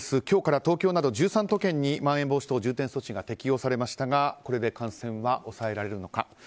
今日から東京など１３都県にまん延防止等重点措置が適用されましたがこれで感染は抑えられるのか。